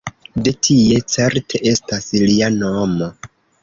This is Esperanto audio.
De tie certe estas lia nomo.